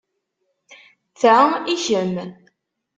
Ta i kemm.